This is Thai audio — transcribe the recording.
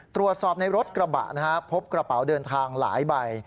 ตรวจสอบในรถกระบะนะครับพบกระเป๋าเดินทางหลายใบ